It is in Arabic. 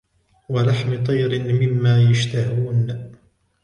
وَلَحْمِ طَيْرٍ مِمَّا يَشْتَهُونَ